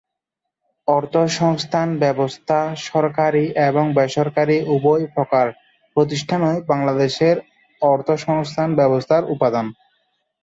অর্থসংস্থান ব্যবস্থা সরকারি এবং বেসরকারি উভয় প্রকার প্রতিষ্ঠানই বাংলাদেশের অর্থসংস্থান ব্যবস্থার উপাদান।